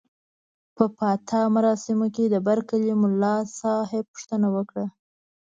په پاتا مراسمو کې د برکلي ملاصاحب پوښتنه وکړه.